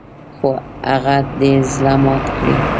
خو هغه دې زړه مات کړي .